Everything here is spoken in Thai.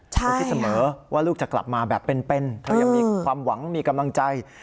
เธอคิดเสมอว่าลูกจะกลับมาแบบเป็นเธอยังมีความหวังมีกำลังใจ